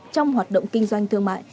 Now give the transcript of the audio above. trong hoạt động kinh doanh thương mại